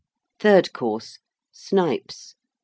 THIRD COURSE. Snipes.